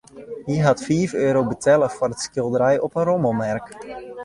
Hy hat fiif euro betelle foar it skilderij op in rommelmerk.